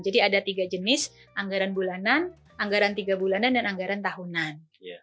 jadi ada tiga jenis anggaran bulanan anggaran tiga bulanan dan anggaran tahunan